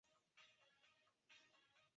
白化病狗是不合标准的。